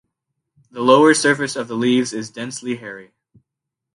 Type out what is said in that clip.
The lower surface of the leaves is densely hairy.